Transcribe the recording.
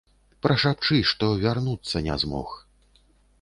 Прашапчы, што вярнуцца не змог.